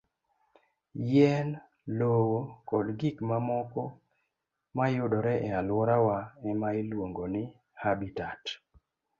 Yien, lowo, kod gik mamoko ma yudore e alworawa e ma iluongo ni habitat.